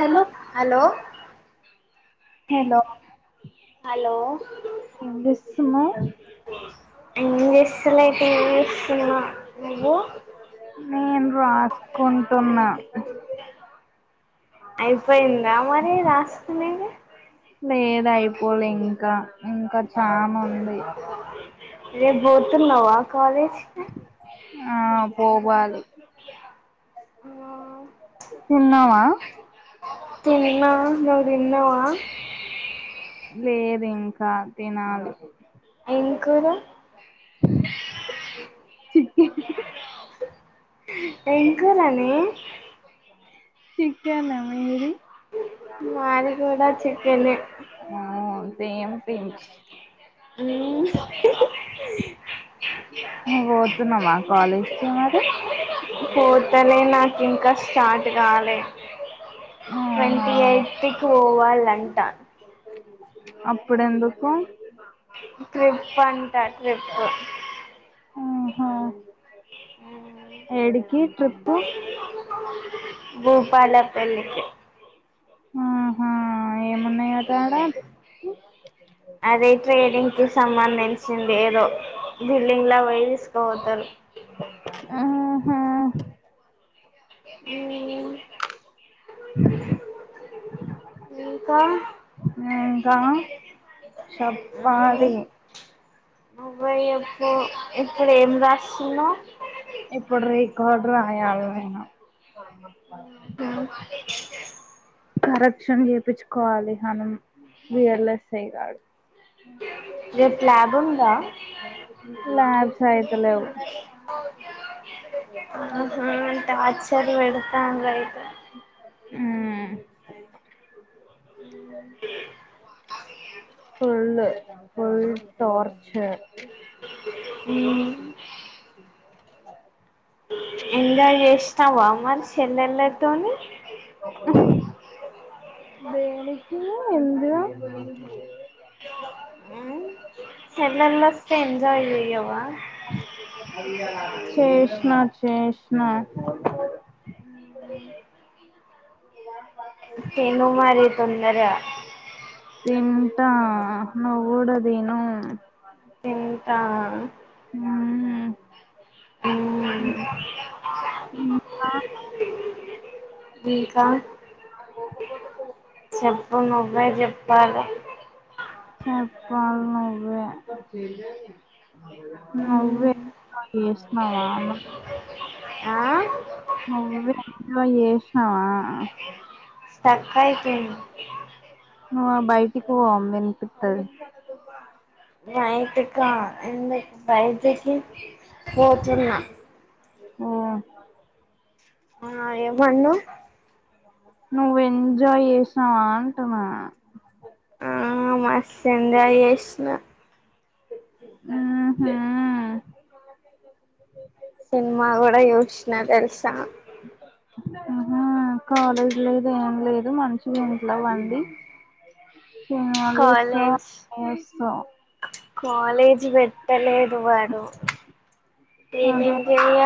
Hello hello hello hello ఏం చేస్తున్నావ్ ఏం చేస్సలే టీవీ చూస్సున్నా నువ్వు ఎమ్ రాసుకుంటున్నా అయిపోయిందా మరి రాసుకునేది లేదు అయిపోలే ఇంకా ఇంకా చానుంది రెప్ భోతున్నవా ఆ పోవాలి ఆ తిన్నవా తిన్నా నువ్ దిన్నవా లేదు ఇంకా తినాలి ఏం కూర చికెన్ ఏం కురనే చికెన్ మీది మాదిగూడ చికెనే. ఫేమస్ హ్మ్ అ నువ్వు పోతున్నవా కాలేజ్కి మరి. పోతలే నాకు ఇంకా స్టార్ట్ కాలే అవునా ట్వంటీ ఎయిట్కి పో పోవాల్నంటా. అప్పుడెందుకు. వాన్ ట చెప్పు ఆహా ఎడికి ట్రిప్పు. భూపాలపెల్లికి ఆహా ఆ ఏమున్నయట ఆడ. అదే ట్రేడింగ్ కి సంబంది చింది ఏదో బిల్డింగ్ లా పోయి తీసుకపోతరు. ఆ ఉ ఇంకా కా షప్పాలి. అబ్బా చెప్పు ఇప్పుడు ఏం రాస్తున్నవు. ఇప్పుడు రికార్డు రాయాలి నేను. ఆ కరెక్షన్ చేపించుకోవాలి మనం విఎల్ఎస్ఐ గాడు రేపు ల్యాబ్ ఉందా ల్యాబ్స్ అయితలేవు ఆహా టార్చర్. పెడతాంరు అయితే హ్ ఫుల్ ఫుల్ టోర్చర్ హ్మ్ ఎంజాయ్ చేస్ స్తావా మన్ష్ చెల్లెలతోని దేనికి నువ్ ఇండ్ల ఏ రాను సర్ నంబర్స్ తె ఎంజాయ్ చేయ్యవా శేష్ నచ్ టేష్ణ అ తొందర తింటా నువ్ కూడ తిను ఇంతా ఊ ఉ ఆ నీకా చెప్పునువ్ రాజ్యం లాంగ అవునవున్లే నువ్వే చేష్ణవా నువ్ ఆ నువ్వే నువ్ చేసినవా స్ట్రక్ ఐపోయింది నువ్ ఆ బయటికి పో వినిపితది వయట్క ఎందుక్ బయటికి పోతున్నా ఆ ఆ ఏమో అన్నవ్ నువ్ ఎంజాయ్ చేసావా అంటున్నా ఆ మస్ ఎంజాయ్ చేష్ణ ఊహు సినిమా కూడా చూసిన తెలుసా ఆహ కాలేజ్ లేదు ఏం లేదు మంచిగా ఇంట్లోవ్వండి సినిమాలు యూస్తవ్ కాలేజ్ అన్ని యూస్తవ్ కాలేజ్ వెట్టలేదు వాడు అదే ఏమేం చెయ్యిలి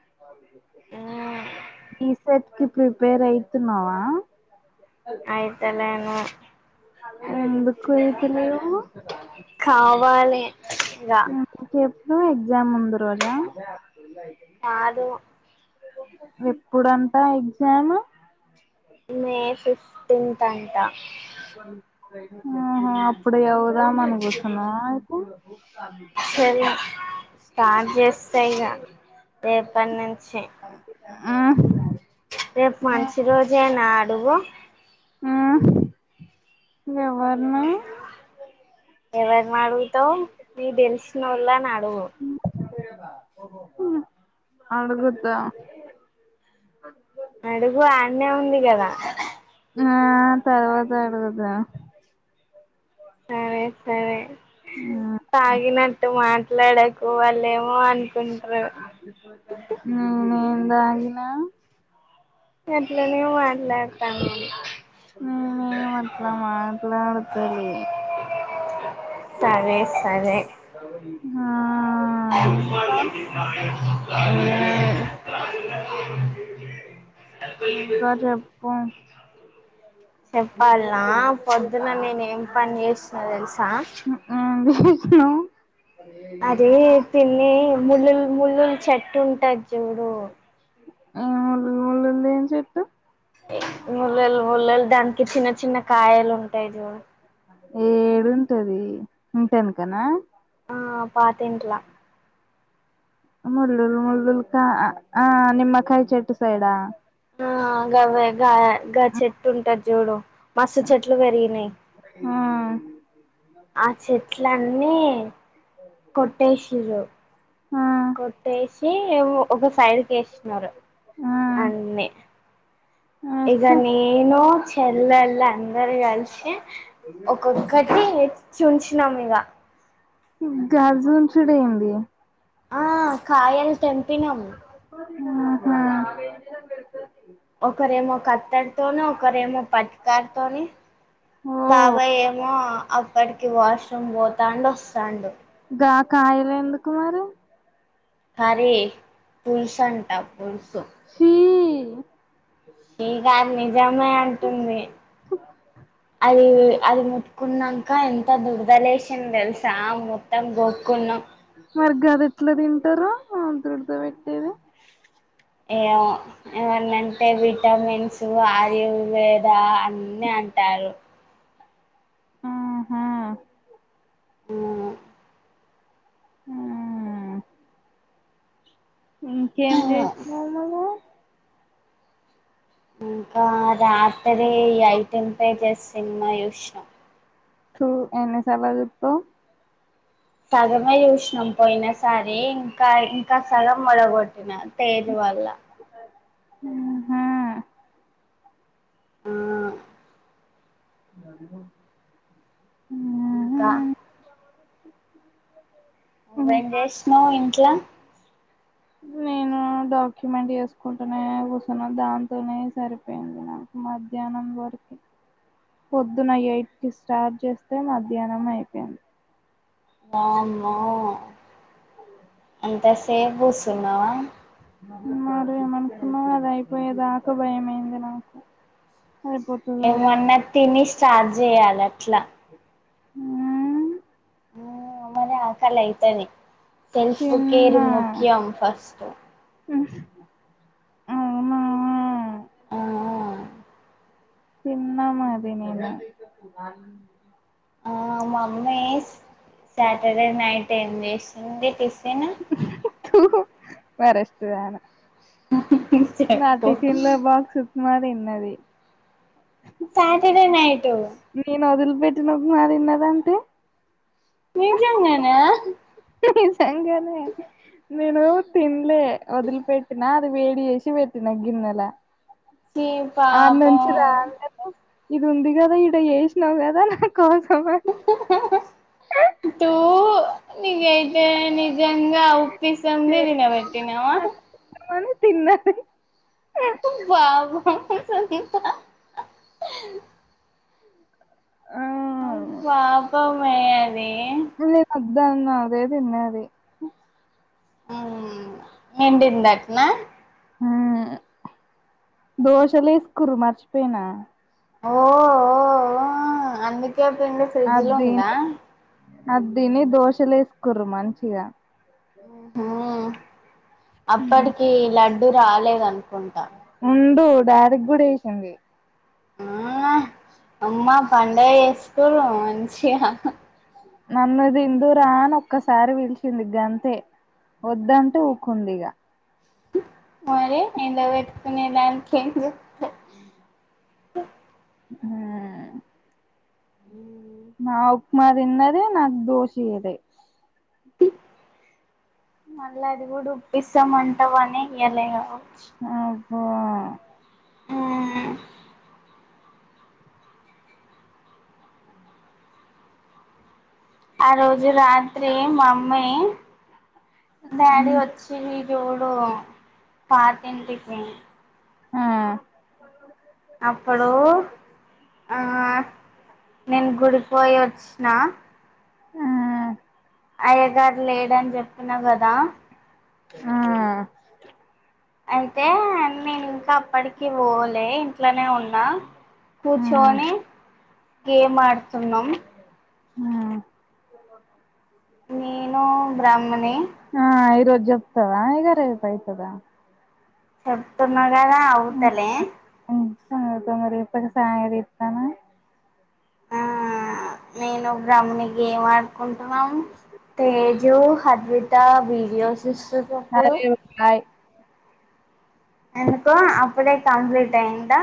ఇటు కాలు జెయ్ ఆ సెట్ కి ప్రిపేర్ అయితునావా అయితలే ఆ ఎందుకు ఇప్పులేవు కావాలి ఇగ మ్మ్ చెప్ ఎగ్జామ్ ముందు రోజా కాదు ఎప్పుడంటా ఎగ్జాము మే ఫిఫ్టీన్త్ అంటా ఆహా అప్పుడుయవ మానుకుసున్నాకు సరే కాన్ జస్సయిగా రేపటి నుంచి ఆ రేపు మంచి రోజేనా దెవ్వ ఆ ఎవరిని ఎవరిని అడుగుతావ్ నీకు తెలిసినోళ్ళని అడుగు అడుగుత అడుగు ఆన్నే ఉంది కదా ఆ తర్వాత అడుగుత సరే సరే తాగినట్టు మా ట్లాడకు వాళ్ళేమో అన్ నా దాగిన ఎట్ల ఇట్లనే మట్లాతాన్నను నేనేం అట్లా మాట్లాడతలే సరే సరే ఆ ఆ ఇంకా ఇంకా చెప్పు చెప్పాల్న పొద్దున నేను ఏం పని చేసిన తెలుసా ఏం చేసినవ్ అదే పిన్ని ముళ్లులు ముళ్ళుల్ చెట్టు ఉంటది చూడు ఆ ముల్లులు ముల్లులు ఏం చెట్టు మొలలు మొలలు దాన్కి చిన్న చిన్న కాయలు ఉంటాయి జూడు ఏడుంటది ఇంటెనుకనా ఆ పాతింట్ల ముళ్లుల్ ముళ్ళుల్ కా ఆ నిమ్మకాయ చెట్టు సైడా? ఆ గవె గా గ చెట్టు ఉంటది చూడు. మస్తు చెట్లు పెరిగినయి. మ్మ్ ఆ చెట్లన్ని కొట్టేసిర్రు ఆ కొట్టేసి ఒక సైడ్కి వేసినరు ఆ అన్నీ ఇక ఏస్తే నేను చెల్లెళ్ళందరు కలిసి ఒక్కొక్క టి చుంచినాం ఇగ గాజు చుంచుడు ఏంది ఆ కాయలు తెంపినాం ఆహా ఒకరేమో కత్తెర్ తోని, ఒకరేమో పట్కారు తోని, ఓ బాబాయ్ ఏమో, అప్ ప్పటికి వాష్రూమ్ పోతాండు వస్సాండు కాయలు ఎందుకు మరి కర్రీ పుల్సు అంటా పులుసు ఛీ చీగాన్నే జామ్మాయ్ అంటుంది అది అది ముట్టుకున్నాంక ఎంత దురదలేషింది తెలుసా మొత్తం గోక్కున్నాం మరి గాది ఎట్లా తింటారు ఆ దుడద పెట్టేది ఏ ఏమన్నంటే విటమిన్స్ ఆయుర్వేద అన్ని అంటారు. ఆహా ఆహా హ్మ్మ్ ఇంకేం చేసినావు మరి నువ్వు ఇంకా రాత్రి ఐటీన్ పేజెస్ సినిమా చూసినం తూ ఎన్ని సార్లు చెప్తావ్ సగమే చూసినం పోయినా సారి ఇంకా ఇంకా సగం మొడగొట్టిన తేజ్ వల్ల హ్మ్మ్ హా ఆ దదిపో ఇంకా అవ్వ ఏంచేస్తున్నవ్ ఇంట్ల నేను డాక్యుమెంట్ వేసుకుంటూనే కూర్చున్నా దాంతోనే సరిపోయింది నాకు మధ్యాహ్నం వరకి. పొద్దున ఎయిట్ కి స్టార్ట్ చేస్తే మధ్యాహ్నం అయిపోయింది ఆ మా అంత సేపూ కుసున్నా మరి ఏమనుకున్నావు అది అయిపోయేదాకా భయమయింది నాకు అయిపోతదో లేదో ఏమన్న తినిస్ స్టార్ట్ జెయ్యీలి అట్లా మ్మ్ మ్మ్ మలి ఆకలి అయితది సెల్ఫ్ కేేరు తిన్నా ముఖ్యం ఫస్ట్ అవునా ఆ తిన్నాము అదే నేను ఆ మమ్మీ సాటర్డే నైట్ ఏం చేసింది టిఫ్ ఫిన్ తుఁ వరస్ట్ దాన నా చెప్పు టిఫిన్ల బాక్స్ ఉమా తిన్నది. సటర్డే నై నేను అదిల్ పెట్టిన ఉమా తిన్నదంటే నిజంగానా జంగానే నేను తిన్లే వదిలిపెట్టినా వేడి వేసి వెట్టిన గిన్నెలా ఛీ ఆనుంచి పాపం రాదు రేపు. ఇది ఉంది కదా ఈడ జేసినావు కదా నా కోసంమనే నీగైతే నిజంగా ఉప్పిసంది చేసినావు తినబెట్టిన్నవా నా కోసం అని తిన్నది వా వా సంత ఆ ఆ పాపమే అదీ నేను వద్దన్నా అదే తిన్నది. మ్మ్ నిండిందట్నా హ దోశలు వేసుకురు మర్చిపోయినా ఓఓ అ ఇంకా పిండి ఫ్రిడ్జ్ లో ఉందా అ దీని దోశలే వేసుకోర మంచిగా ఉమ్ అప్పటికి లడ్ అ రాలేదంట కొంట ప్పు డాడి కూడా వేసింది ఆ అమ్మా పండగ చేస్కో మంచిగా నన్ను తిందురా అని ఒక్కసారి పిలిచింది ఇ గ అంతే వద్దంటే ఊకుంది ఇక మరి ఎండబెట్టుకునే దానికి ఎందుకు హ్మ్ ఆ హ్మ్ మాదిన్నదే నాకు దోష ఇదే మళ్ళీ అది కూడా ఉప్పిస్తామంటావ అని ఇయ్యలే ఆ హ్మ్ అ ఆ రోజు రాత్రి మమ్మీ డాడి వచ్చి చూడు పాతింటికి ఆ అప్పుడు ఆ నేను గుడి పోయి వచ్చిన ఆ అయ్యగారు లేడని చెప్పిన కదా ఆ అ అయితే నేను ఇంకా అప్పటికి పోలే ఇంట్లోనే ఉన్నా కూర్చొని గేమ్ ఆడుతున్నాం హ్మ్ నేను బ్రహ్మని ఆ ఈరోజ జెప్తవా రేపైతదా చెతన్నా అకాదా అవుతలే అ తొ రేపటికి సాగదీసన ఆ నేను బ్రాహ్మిణి గేమ్ ఆడుకుంటున్నాం తేజు హద్వి ఇట్ట వీడియోస్ ఇస్తుటప్పుడు సరే బాయ్ అనుకో అప్పుడే కంప్లీట్ అయందా